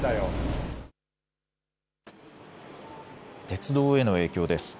鉄道への影響です。